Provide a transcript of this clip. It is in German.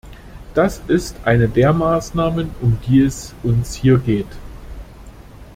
Das ist eine der Maßnahmen, um die es uns hier geht.